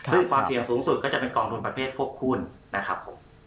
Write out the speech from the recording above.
ซึ่งความเสี่ยงสูงสุดก็จะเป็นกองทุนประเภทพวกหุ้นนะครับผม